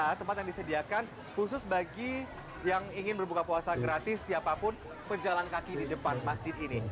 ada tempat yang disediakan khusus bagi yang ingin berbuka puasa gratis siapapun penjalan kaki di depan masjid ini